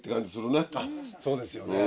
そうですよね。